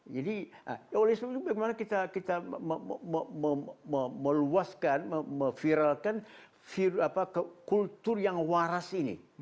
jadi oleh sebetulnya bagaimana kita meluaskan memviralkan kultur yang waras ini